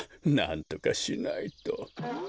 なんとかしないと。